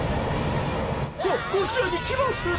ここちらにきますぞ。